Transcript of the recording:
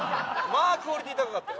クオリティ高かったよ。